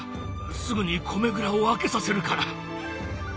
すぐに米蔵を開けさせるから。